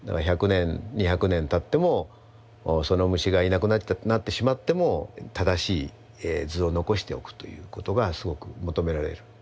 だから１００年２００年たってもその虫がいなくなってしまっても正しい図を残しておくということがすごく求められる。